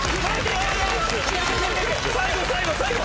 最後最後最後！